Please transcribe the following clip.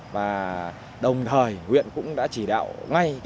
và đồng thời huyện cũng đã chỉ đạo ngay việc sàn tạo